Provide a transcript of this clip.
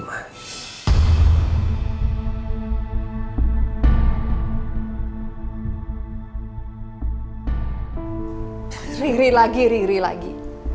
riri lagi riri lagi